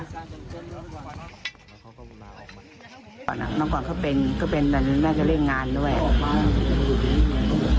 ตอนนั้นก็เป็นเรื่องงานด้วย